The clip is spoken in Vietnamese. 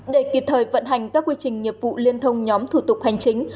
để kịp thời vận hành các quy trình nghiệp vụ liên thông nhóm thủ tục hành chính